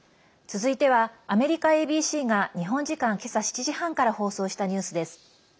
続いては、アメリカＡＢＣが日本時間けさ７時半から放送したニュースです。